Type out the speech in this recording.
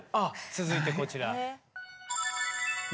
続いてこちら。